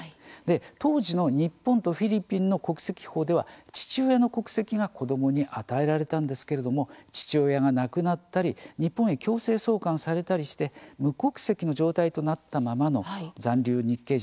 当時の日本とフィリピンの国籍法では父親の国籍が子どもに与えられたんですけれども父親が亡くなったり日本へ強制送還されたりして無国籍の状態となったままの残留日系人